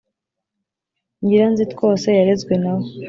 Nyiranzitwose yarezwe nawe,